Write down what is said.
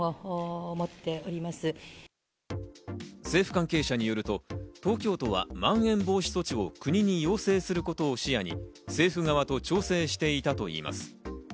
政府関係者によると、東京都はまん延防止措置を国に要請することを視野に政府側と調整していたといいます。